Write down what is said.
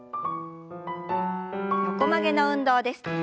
横曲げの運動です。